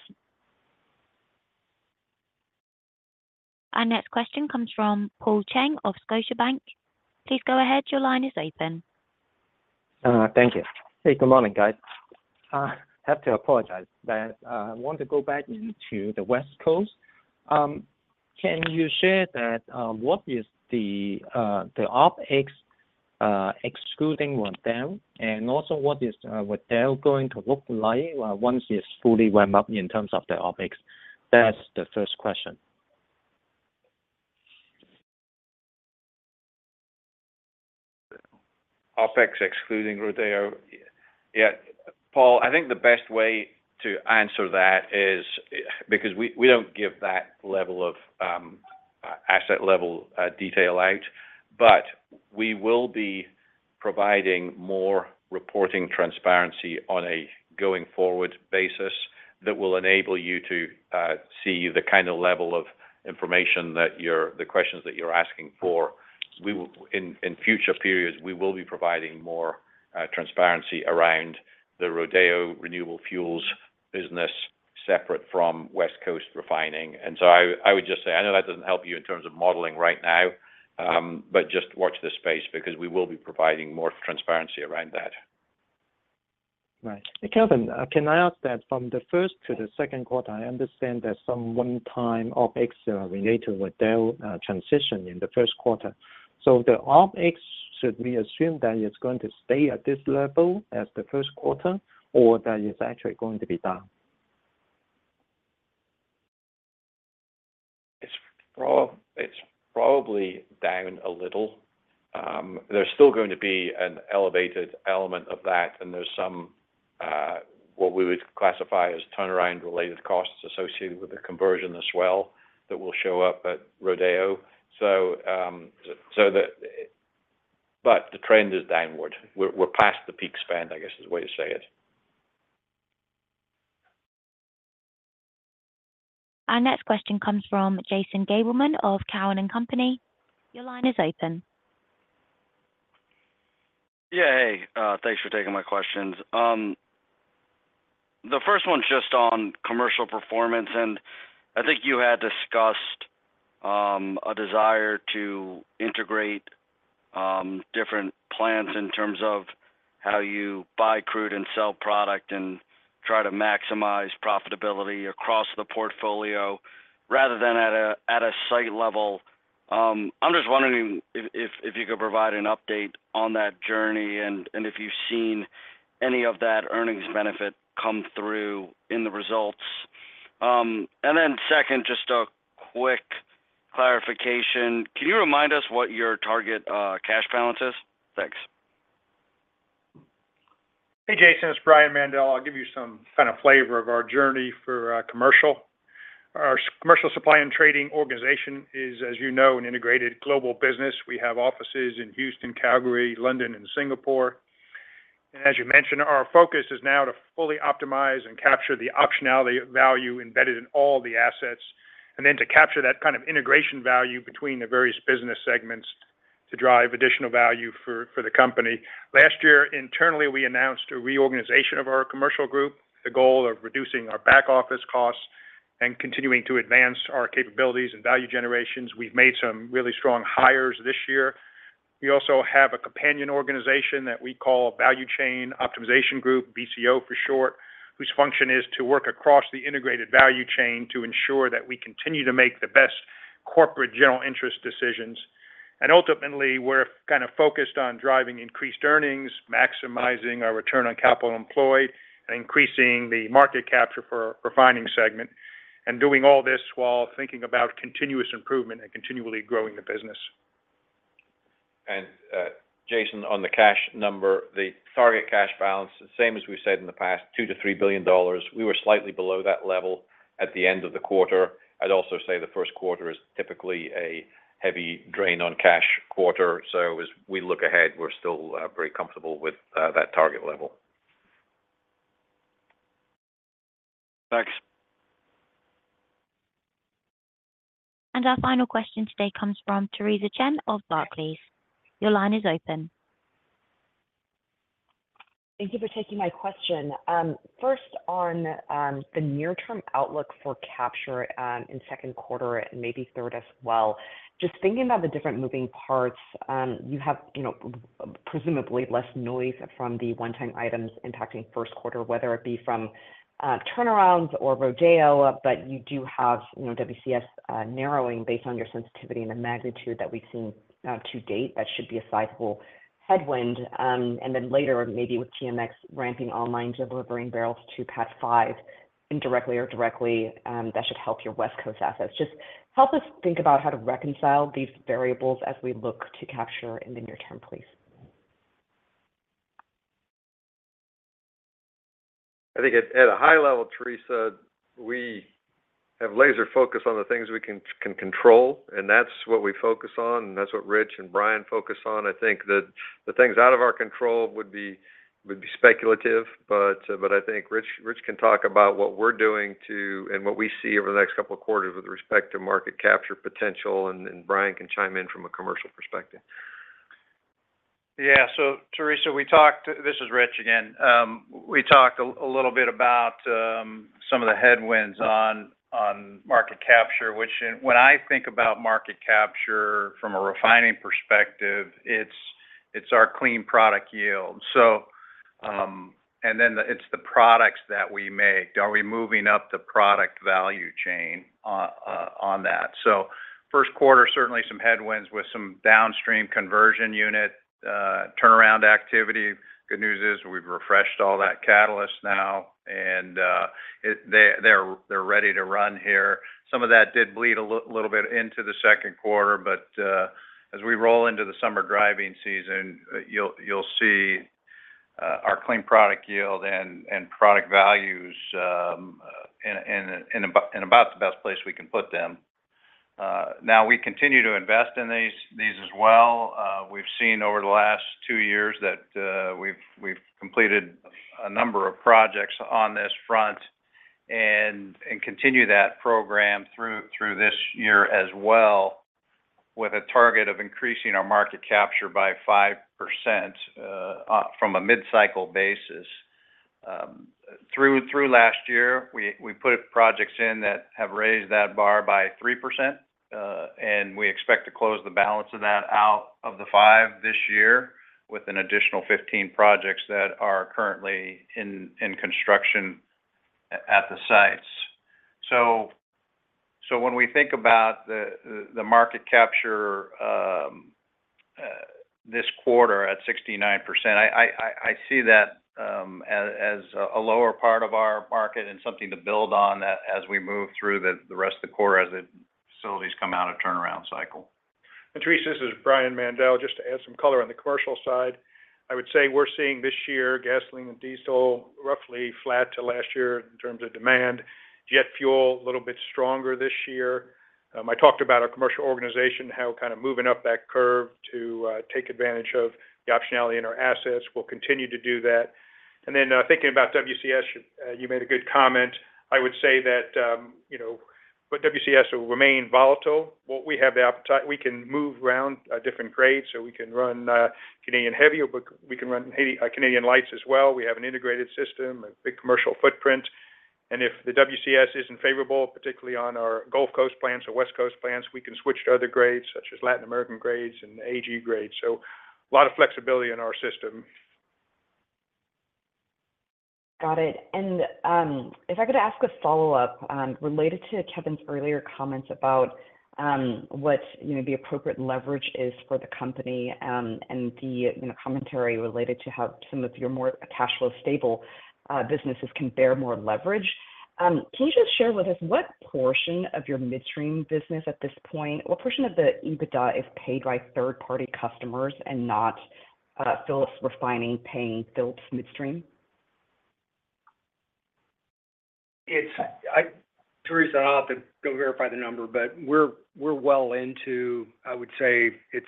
Our next question comes from Paul Cheng of Scotiabank. Please go ahead. Your line is open. Thank you. Hey, good morning, guys. I have to apologize, but I want to go back into the West Coast. Can you share that, what is the OpEx excluding Rodeo? And also, what is Rodeo going to look like once it's fully ramp up in terms of the OpEx? That's the first question. OpEx, excluding Rodeo. Yeah, Paul, I think the best way to answer that is, because we, we don't give that level of, asset level, detail out, but we will be providing more reporting transparency on a going-forward basis that will enable you to, see the kind of level of information that you're—the questions that you're asking for. We will—In, in future periods, we will be providing more, transparency around the Rodeo Renewable Fuels business, separate from West Coast Refining. And so I, I would just say, I know that doesn't help you in terms of modeling right now, but just watch this space, because we will be providing more transparency around that. Right. Hey, Kevin, can I ask that from the first to the second quarter, I understand there's some one-time OpEx related with the transition in the first quarter. So the OpEx, should we assume that it's going to stay at this level as the first quarter, or that it's actually going to be down? It's probably down a little. There's still going to be an elevated element of that, and there's some, what we would classify as turnaround-related costs associated with the conversion as well, that will show up at Rodeo. So, but the trend is downward. We're past the peak spend, I guess, is the way to say it. Our next question comes from Jason Gabelman of Cowen and Company. Your line is open. Yeah, hey. Thanks for taking my questions. The first one's just on commercial performance, and I think you had discussed a desire to integrate different plans in terms of how you buy crude and sell product, and try to maximize profitability across the portfolio rather than at a site level. I'm just wondering if you could provide an update on that journey, and if you've seen any of that earnings benefit come through in the results. And then second, just a quick clarification. Can you remind us what your target cash balance is? Thanks. Hey, Jason, it's Brian Mandell. I'll give you some kind of flavor of our journey for commercial. Our commercial supply and trading organization is, as you know, an integrated global business. We have offices in Houston, Calgary, London, and Singapore. And as you mentioned, our focus is now to fully optimize and capture the optionality of value embedded in all the assets, and then to capture that kind of integration value between the various business segments to drive additional value for the company. Last year, internally, we announced a reorganization of our commercial group, the goal of reducing our back-office costs and continuing to advance our capabilities and value generations. We've made some really strong hires this year. We also have a companion organization that we call Value Chain Optimization Group, VCO for short, whose function is to work across the integrated value chain to ensure that we continue to make the best corporate general interest decisions. Ultimately, we're kind of focused on driving increased earnings, maximizing our return on capital employed, and increasing the market capture for our refining segment, and doing all this while thinking about continuous improvement and continually growing the business. And, Jason, on the cash number, the target cash balance, the same as we've said in the past, $2 billion-$3 billion. We were slightly below that level at the end of the quarter. I'd also say the first quarter is typically a heavy drain on cash quarter, so as we look ahead, we're still, very comfortable with, that target level. Thanks. Our final question today comes from Theresa Chen of Barclays. Your line is open. ... Thank you for taking my question. First, on the near-term outlook for capture, in second quarter and maybe third as well, just thinking about the different moving parts, you have, you know, presumably less noise from the one-time items impacting first quarter, whether it be from turnarounds or Rodeo, but you do have, you know, WCS narrowing based on your sensitivity and the magnitude that we've seen to date. That should be a sizable headwind. And then later, maybe with TMX ramping online to delivering barrels to PADD 5, indirectly or directly, that should help your West Coast assets. Just help us think about how to reconcile these variables as we look to capture in the near term, please. I think at a high level, Theresa, we have laser focus on the things we can control, and that's what we focus on, and that's what Rich and Brian focus on. I think the things out of our control would be speculative, but I think Rich can talk about what we're doing to and what we see over the next couple of quarters with respect to market capture potential, and Brian can chime in from a commercial perspective. Yeah. So Theresa, we talked. This is Rich, again. We talked a little bit about some of the headwinds on market capture, which when I think about market capture from a refining perspective, it's our clean product yield. So, and then it's the products that we make. Are we moving up the product value chain on that? So first quarter, certainly some headwinds with some downstream conversion unit turnaround activity. Good news is we've refreshed all that catalyst now, and they're ready to run here. Some of that did bleed a little bit into the second quarter, but as we roll into the summer driving season, you'll see our clean product yield and product values in about the best place we can put them. Now, we continue to invest in these as well. We've seen over the last two years that we've completed a number of projects on this front and continue that program through this year as well, with a target of increasing our market capture by 5%, from a mid-cycle basis. Through last year, we put projects in that have raised that bar by 3%, and we expect to close the balance of that out of the five this year, with an additional 15 projects that are currently in construction at the sites. So when we think about the market capture this quarter at 69%, I see that as a lower part of our market and something to build on as we move through the rest of the quarter, as the facilities come out of turnaround cycle. Theresa, this is Brian Mandell. Just to add some color on the commercial side, I would say we're seeing this year, gasoline and diesel, roughly flat to last year in terms of demand. Jet fuel, a little bit stronger this year. I talked about our commercial organization, how kind of moving up that curve to take advantage of the optionality in our assets. We'll continue to do that. Then, thinking about WCS, you made a good comment. I would say that, you know, with WCS will remain volatile. What we have the appetite—We can move around different grades, so we can run Canadian heavy, or we can run Canadian lights as well. We have an integrated system, a big commercial footprint, and if the WCS isn't favorable, particularly on our Gulf Coast plants or West Coast plants, we can switch to other grades, such as Latin American grades and AG grades. So a lot of flexibility in our system. Got it. And if I could ask a follow-up related to Kevin's earlier comments about what, you know, the appropriate leverage is for the company, and the, you know, commentary related to how some of your more cash flow stable businesses can bear more leverage. Can you just share with us what portion of your midstream business at this point, what portion of the EBITDA is paid by third-party customers and not Phillips Refining paying Phillips Midstream? Theresa, I'll have to go verify the number, but we're well into. I would say it's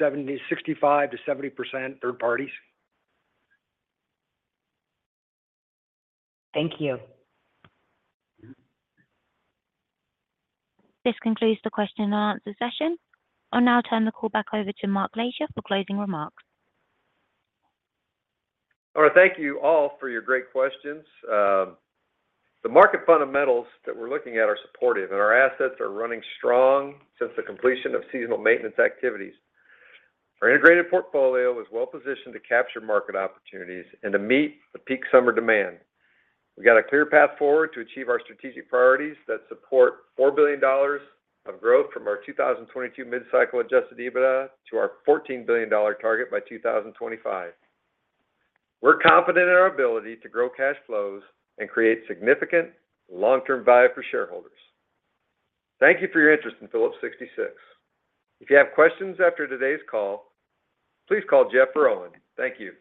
65%-70% third parties. Thank you. This concludes the question and answer session. I'll now turn the call back over to Mark Lashier for closing remarks. All right. Thank you all for your great questions. The market fundamentals that we're looking at are supportive, and our assets are running strong since the completion of seasonal maintenance activities. Our integrated portfolio is well positioned to capture market opportunities and to meet the peak summer demand. We've got a clear path forward to achieve our strategic priorities that support $4 billion of growth from our 2022 mid-cycle Adjusted EBITDA to our $14 billion target by 2025. We're confident in our ability to grow cash flows and create significant long-term value for shareholders. Thank you for your interest in Phillips 66. If you have questions after today's call, please call Jeff Roen. Thank you.